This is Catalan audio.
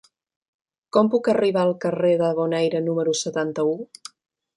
Com puc arribar al carrer del Bonaire número setanta-u?